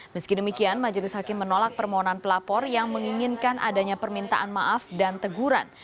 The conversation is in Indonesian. meski demikian majelis hakim menolak permohonan pelapor yang menginginkan adanya permintaan maaf dan teguran